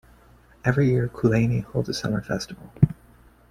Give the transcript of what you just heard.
Every year Coolaney holds a summer festival.